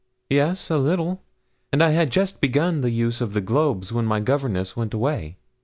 'Yes, a little; and I had just begun the use of the globes when my governess went away.'